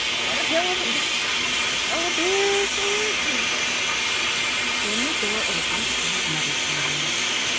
What a hill it is! Oh dear, dear, dear!" Then the door opened and his mother came in.